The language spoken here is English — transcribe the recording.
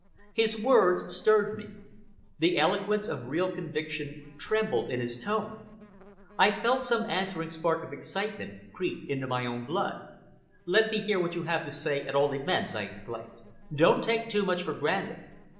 His words stirred me. The eloquence of real conviction trembled in his tone. I felt some answering spark of excitement creep into my own blood. "Let me hear what you have to say, at all events!" I exclaimed. "Don't take too much for granted.